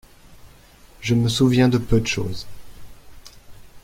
Je me souviens de peu de chose.